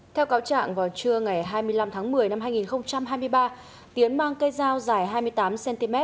theo cáo trạng vào trưa ngày hai mươi năm tháng một mươi năm hai nghìn hai mươi ba tiến mang cây dao dài hai mươi tám cm